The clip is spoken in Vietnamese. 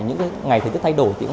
những ngày thời tiết thay đổi